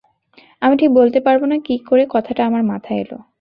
আমি ঠিক বলতে পারব না, কী করে কথাটা আমার মাথায় এল।